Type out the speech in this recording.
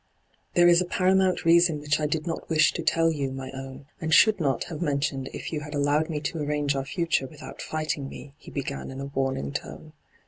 ' There is a paramount reason which I did not wish to tell you, my own, and should not have mentioned if you had allowed me to arrange our future without fighting me,' he began in a warning tone.